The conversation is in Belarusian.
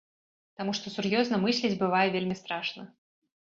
Таму што сур'ёзна мысліць бывае вельмі страшна.